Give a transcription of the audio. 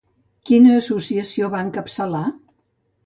Quina associació va encapçalar?